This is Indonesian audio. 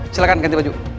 silahkan ganti baju